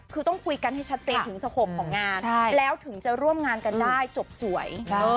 คือต้องคุยกันให้ชัดเจนถึงสงบของงานแล้วถึงจะร่วมงานกันได้จบสวย